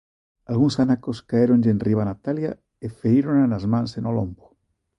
Algúns anacos caéronlle enriba a Natalia e ferírona nas mans e no lombo.